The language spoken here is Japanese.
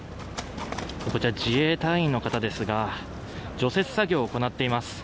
こちら自衛隊員の方ですが除雪作業を行っています。